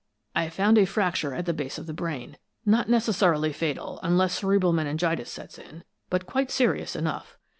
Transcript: I found a fracture at the base of the brain not necessarily fatal, unless cerebral meningitis sets in, but quite serious enough.